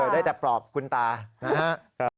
ได้แต่ปลอบกุญตานะฮะ